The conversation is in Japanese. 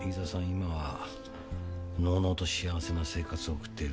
今はのうのうと幸せな生活を送っている。